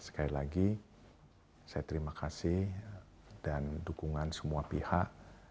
sekali lagi saya terima kasih dan dukungan semua pihak